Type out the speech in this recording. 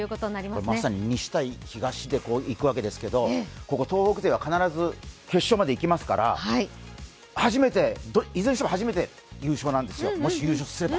まさに西対東でいくわけですけどここ、東北では必ず決勝まで行きますからいずれにしても初めて優勝なんですよ、もし優勝すれば。